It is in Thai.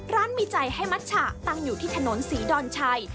ร้านมิจัยให้มัชฉะตั้งอยู่ที่ถนนศรีดอนช่าย